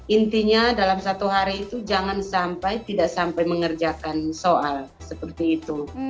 intinya dalam satu hari itu jangan sampai tidak sampai mengerjakan soal seperti itu